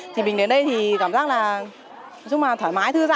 thì mình đến đây thì cảm giác là trong chung là thoải mái thư giãn